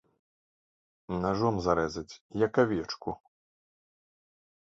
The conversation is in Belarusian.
Нажом зарэзаць, як авечку.